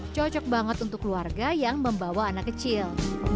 cocok banget untuk keluarga yang membawa anak kecil